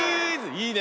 いいね。